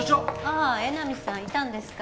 あぁ江波さんいたんですか。